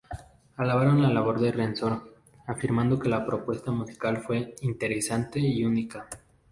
Alabaron la labor de Reznor, afirmando que la propuesta musical fue "interesante y única".